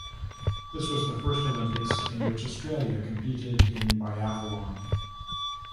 This was the first Olympics in which Australia competed in biathlon.